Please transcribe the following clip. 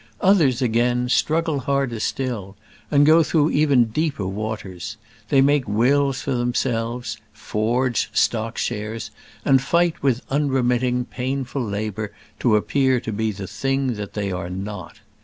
Others, again, struggle harder still, and go through even deeper waters: they make wills for themselves, forge stock shares, and fight with unremitting, painful labour to appear to be the thing that they are not.